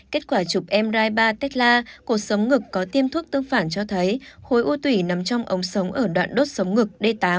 kết quả chụp mri ba tết la cột sống ngực có tiêm thuốc tương phản cho thấy khối u tủy nằm trong ống sống ở đoạn đốt sống ngực d tám